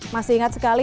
masih ingat sekali